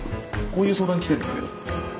こういう相談来てるんだけど。